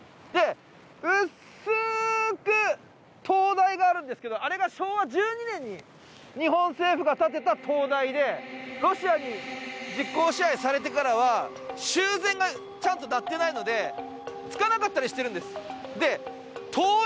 で、薄く灯台があるんですけどあれが昭和１２年に日本政府が建てた灯台でロシアに実効支配されてからは修繕がちゃんとされていないのでつかなかったりしてるんです。